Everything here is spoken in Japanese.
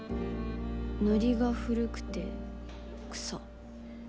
「ノリが古くて草」。